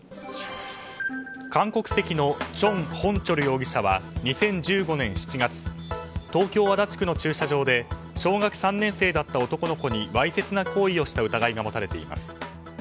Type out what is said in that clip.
韓国籍の全弘哲容疑者は２０１５年７月東京・足立区の駐車場で小学３年生だった男の子にわいせつな行為をした疑いが持たれています。